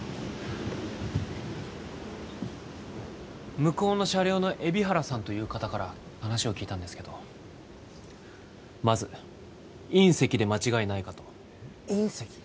向こうの車両の海老原さんという方から話を聞いたんですけどまず隕石で間違いないかと隕石？